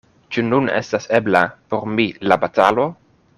Ĉu nun estas ebla por mi la batalo?